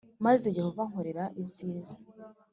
maze Yehova ankorere ibyiza